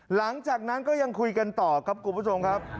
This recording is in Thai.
หลังจากนั้นก็ยังคุยกันต่อครับคุณผู้ชมครับ